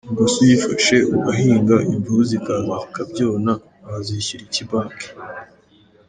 Ubwo se uyifashe, ugahinga, imvubu zikaza zikabyona, wazishyura iki banki?”.